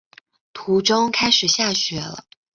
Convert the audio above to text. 途中开始下雪了